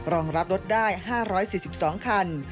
รองรับรถได้๕๔๒คัน